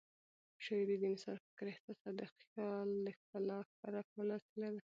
شاعري د انساني فکر، احساس او خیال د ښکلا ښکاره کولو وسیله ده.